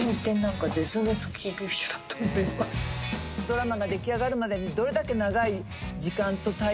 ドラマが出来上がるまでにどれだけ長い時間と体力と。